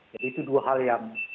jadi itu dua hal yang